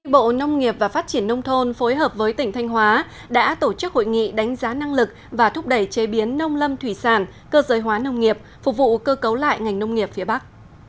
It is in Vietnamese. bộ nông nghiệp và phát triển nông thôn phối hợp với tỉnh thanh hóa đã tổ chức hội nghị đánh giá năng lực và thúc đẩy chế biến nông lâm thủy sản cơ giới hóa nông nghiệp phục vụ cơ cấu lại ngành nông nghiệp phía bắc